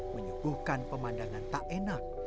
menyuguhkan pemandangan tak enak